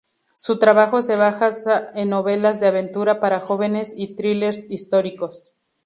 Su trabajo se basa en novelas de aventura para jóvenes y thrillers históricos.